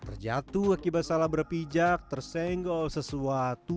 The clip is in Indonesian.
terjatuh akibat salah berpijak tersenggol sesuatu